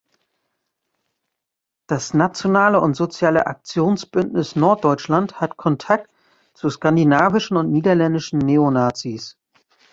Das „Nationale und Soziale Aktionsbündnis Norddeutschland“ hat Kontakt zu skandinavischen und niederländischen Neonazis.